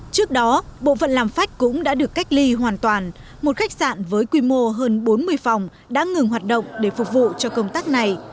trước đó bộ phận làm phách cũng đã được cách ly hoàn toàn một khách sạn với quy mô hơn bốn mươi phòng đã ngừng hoạt động để phục vụ cho công tác này